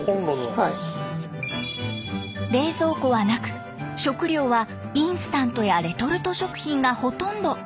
冷蔵庫はなく食料はインスタントやレトルト食品がほとんど。